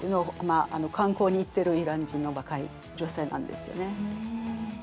観光に行ってるイラン人の若い女性なんですよね。